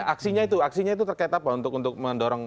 aksinya itu terkait apa untuk mendorong